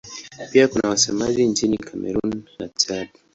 Pia kuna wasemaji nchini Kamerun na Chad.